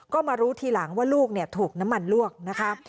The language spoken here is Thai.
ก็มารู้ทีหลังว่าลูกถูกน้ำมันลวกนะคะ